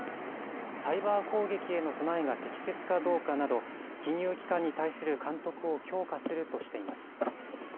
サイバー攻撃への備えが適切かどうかなど金融機関に対する監督を強化するとしています。